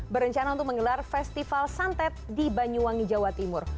berencana untuk menggelar festival santet di banyuwangi jawa timur